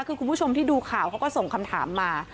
คือคุณผู้ชมที่ดูข่าวเขาก็ส่งคำถามมา